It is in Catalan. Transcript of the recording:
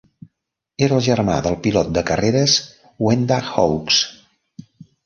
Era el germà del pilot de carreres Gwenda Hawkes.